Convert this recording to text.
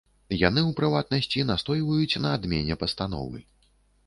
Яны, у прыватнасці, настойваюць на адмене пастановы.